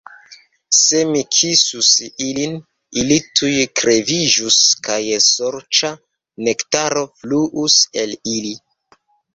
Se mi kisus ilin, ili tuj kreviĝus kaj sorĉa nektaro fluus el ili.